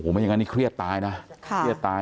ไม่อย่างนั้นนี่เครียดตายนะ